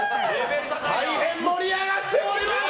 大変盛り上がっております！